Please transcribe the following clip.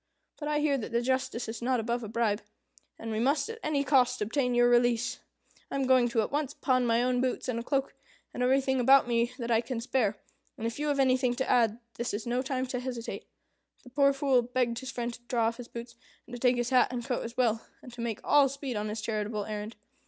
But I hear that the justice is not above a bribe, and we must at any cost obtain your release. I am going at once to pawn my own boots and cloak, and everything about me that I can spare, and if you have anything to add, this is no time to hesitate." The poor Fool begged his friend to draw off his boots, and to take his hat and coat as well, and to make all speed on his charitable errand.